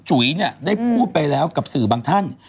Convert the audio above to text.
จุ๋ยเนี่ยได้พูดไปแล้วกับสื่อบางท่าน